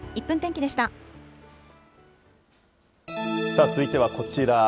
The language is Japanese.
さあ、続いてはこちら。